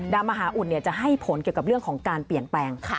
มหาอุ่นจะให้ผลเกี่ยวกับเรื่องของการเปลี่ยนแปลง